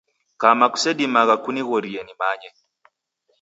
Kama kusedimagha kunighorie nimanye.